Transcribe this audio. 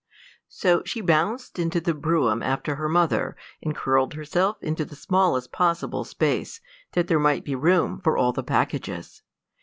So she bounced into the brougham after her mother, and curled herself into the smallest possible space, that there might be room for all the packages.